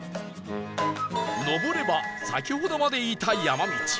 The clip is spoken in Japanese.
上れば先ほどまでいた山道